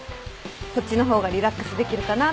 こっちの方がリラックスできるかなって。